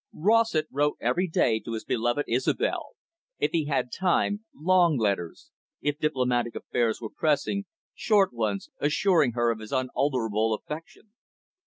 Rossett wrote every day to his beloved Isobel; if he had time, long letters; if diplomatic affairs were pressing, short ones, assuring her of his unalterable affection.